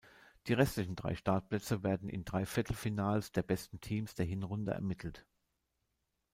Die restlichen drei Startplätze werden in drei „Viertelfinals“ der besten Teams der Hinrunde ermittelt.